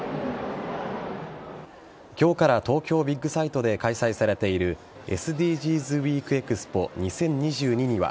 今日から東京ビッグサイトで開催されているＳＤＧｓＷｅｅｋＥＸＰＯ２０２２には